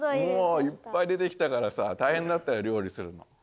もういっぱい出てきたからさ大へんだったよ料理するの。